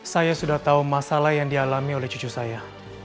saya sudah tahu masalah yang dialami oleh cucu saya